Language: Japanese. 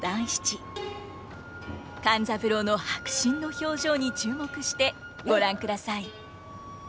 勘三郎の迫真の表情に注目してご覧ください。